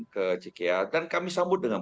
ke cikiat dan kami sambut dengan